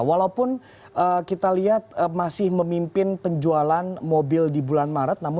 walaupun kita lihat masih memimpin penjualan mobil di bulan maret